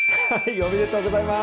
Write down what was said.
ありがとうございます。